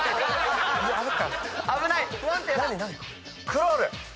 クロール！